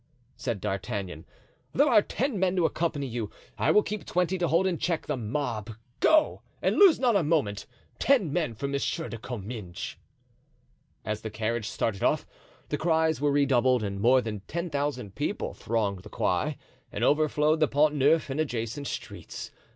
said D'Artagnan. "There are ten men to accompany you. I will keep twenty to hold in check the mob; go, and lose not a moment. Ten men for Monsieur de Comminges." As the carriage started off the cries were redoubled and more than ten thousand people thronged the Quai and overflowed the Pont Neuf and adjacent streets.